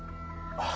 ああ。